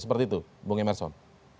seperti itu bung emerson